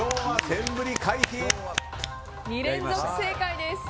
２連続正解です。